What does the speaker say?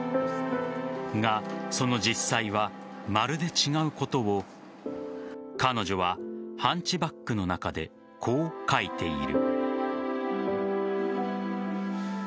が、その実際はまるで違うことを彼女は「ハンチバック」の中でこう書いている。